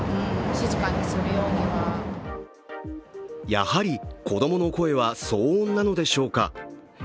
やはり子供の声は騒音なのでしょうか。